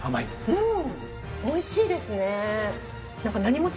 うん。